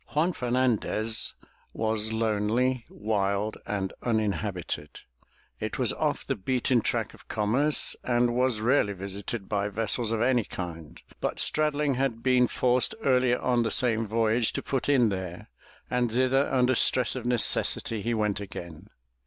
Juan Fernandez was lonely, wild and uninhabited. It was off the beaten track of commerce and was rarely visited by vessels of any kind, but Straddling had been forced earlier on the same voyage to put in there, and thither under stress of necessity he went again.